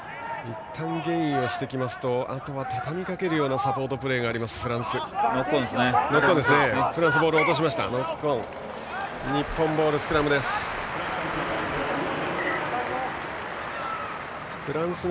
いったんゲインをしますとあとはたたみかけるようなサポートプレーがあるフランス。